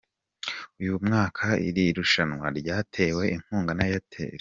Uyu mwaka iri rushanwa ryatewe inkunga na Airtel.